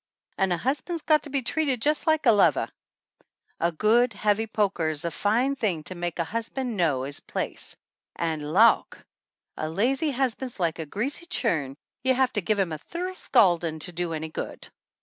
"An* a husban's got to be treated jus' like a lover! A good, heavy 21 THE ANNALS OF ANN poker's a fine thing to make a husban' know 'is place an' Lawk ! a lazy husban's like a greasy churn you have to give him a thorough scaldin' to do any good